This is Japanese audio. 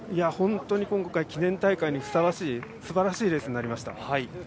本当に今回、記念大会にふさわしいすばらしいレースになりました。